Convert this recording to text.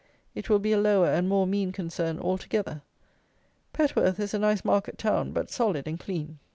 It will be a lower and more mean concern altogether. Petworth is a nice market town; but solid and clean.